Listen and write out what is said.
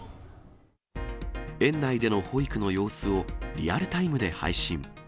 園内での保育の様子をリアルタイムで配信。